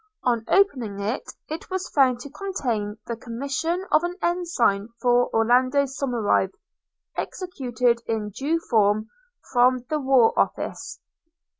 On opening it, it was found to contain the commission of an ensign for Orlando Somerive, executed in due form, from the War Office.